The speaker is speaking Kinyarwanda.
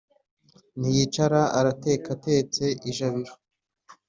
Ntiyicara arateka Atetse ijabiro